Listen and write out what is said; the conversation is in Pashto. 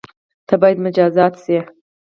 ته بايد مجازات شی